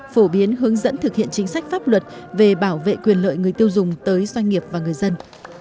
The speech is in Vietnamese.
phổ biến hướng dẫn thực hiện chính sách pháp luật về bảo vệ quyền lợi người tiêu dùng tới doanh nghiệp và người dân